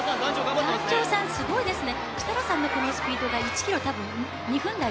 団長さん、すごいですね。